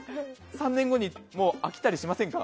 ３年後に飽きたりしませんか？